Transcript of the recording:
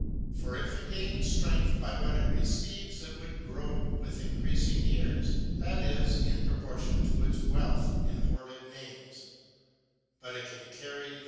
For if it gained strength by what it receives, it would grow with increasing years, that is, in proportion to its wealth in hoarded names; but it can carry the KECOLLECTION.